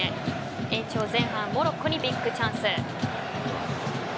延長前半モロッコにビッグチャンス。